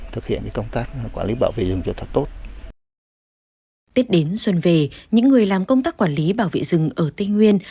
tết đến xuân về những người làm công tác quản lý bảo vệ rừng ở tây nguyên